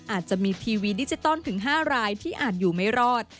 อาจจะมีทีวีดิจิตอลถึง๕รายที่อาจอยู่ไม่รอด